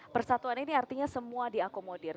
persatuan ini artinya semua diakomodir